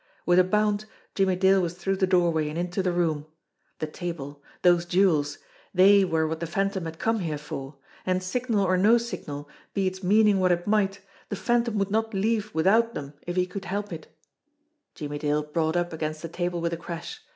With a bound, Jimmie Dale was through the doorway and into the room. The table those jewels! They were what the Phantom had come here for and signal or no signal, be its meaning what it might, the Phantom would not leave without them if he could help it. 184 JIMMIE DALE AND THE PHANTOM CLUE Jimmie Dale brought up against the table with a crash.